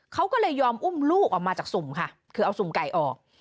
เขาก็เลยยอมอุ้มลูกออกมาจากสุ่มค่ะคือเอาสุ่มไก่ออก